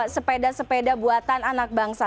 sepeda sepeda buatan anak bangsa